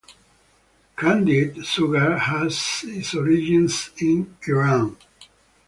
Candied sugar has its origins in Iran.